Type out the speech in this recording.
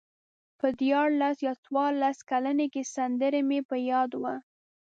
په دیارلس یا څوارلس کلنۍ کې سندره مې په یاد وه.